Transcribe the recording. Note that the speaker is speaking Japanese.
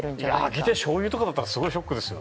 開けてしょうゆとかだったらすごいショックですよ？